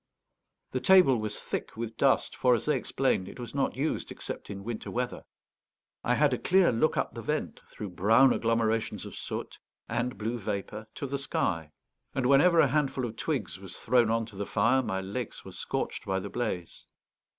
The table was thick with dust; for, as they explained, it was not used except in winter weather. I had a clear look up the vent, through brown agglomerations of soot and blue vapour, to the sky; and whenever a handful of twigs was thrown on to the fire, my legs were scorched by the blaze.